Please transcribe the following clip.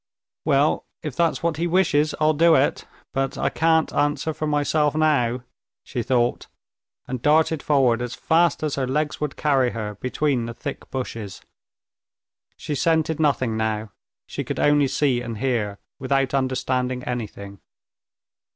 "Well, if that's what he wishes, I'll do it, but I can't answer for myself now," she thought, and darted forward as fast as her legs would carry her between the thick bushes. She scented nothing now; she could only see and hear, without understanding anything.